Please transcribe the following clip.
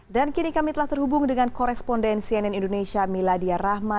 dan kini kami telah terhubung dengan korespondensi nn indonesia miladia rahma